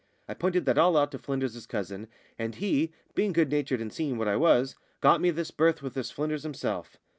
I pointed that all out to Flynders's cousin, and he being good natured and seeing what I was got me this berth with this Flynders himself.